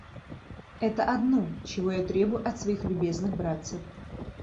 Это одно, чего я требую от своих любезных братцев.